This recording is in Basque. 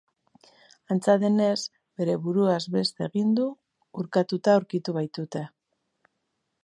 Antza denez, bere buruaz beste egin du, urkatuta aurkitu baitute.